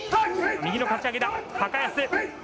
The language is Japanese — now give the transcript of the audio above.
右のかち上げだ、高安です。